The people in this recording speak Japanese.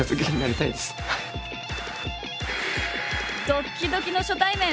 ドッキドキの初対面！